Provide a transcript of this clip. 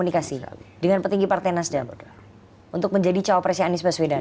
untuk menyadarkan diri sebagai cawapresnya a p baswedan